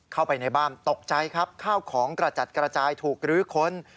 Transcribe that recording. เข้าไปในบ้านตกใจครับข้าวของกระจัดกระจายถูกรื้อค้น